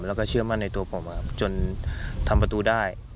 แล้วก็เชื่อมั่นในตัวผมจนทำประตูได้